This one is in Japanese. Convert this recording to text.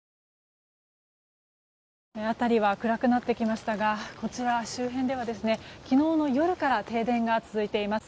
辺りは暗くなってきましたがこちらの周辺では昨日の夜から停電が続いています。